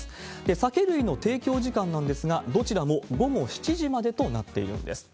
酒類の提供時間なんですが、どちらも午後７時までとなっているんです。